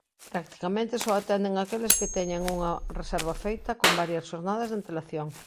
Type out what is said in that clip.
Practicamente só atenden aqueles que teñan unha reserva feita con varias xornadas de antelación.